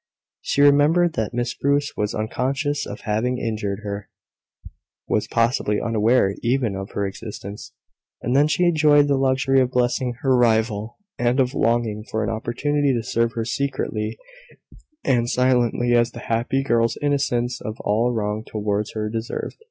She remembered that Miss Bruce was unconscious of having injured her was possibly unaware even of her existence; and then she enjoyed the luxury of blessing her rival, and of longing for an opportunity to serve her secretly and silently, as the happy girl's innocence of all wrong towards her deserved.